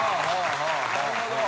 なるほど。